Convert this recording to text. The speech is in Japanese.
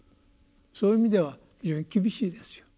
そういう意味では非常に厳しいですよ。